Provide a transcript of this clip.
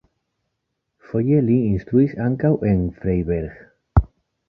Foje li instruis ankaŭ en Freiberg.